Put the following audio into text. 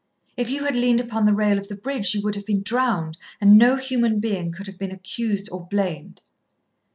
If you had leaned upon the rail of the bridge you would have been drowned, and no human being could have been accused or blamed."